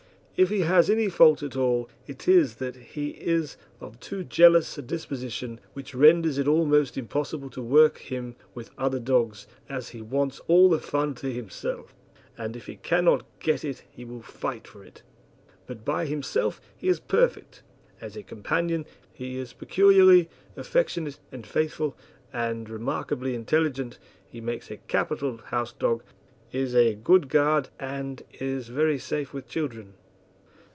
If he has any fault at all, it is that he is of too jealous a disposition, which renders it almost impossible to work him with other dogs, as he wants all the fun to himself, and if he cannot get it he will fight for it. But by himself he is perfect. As a companion he is peculiarly affectionate and faithful, and remarkably intelligent; he makes a capital house dog, is a good guard and is very safe with children.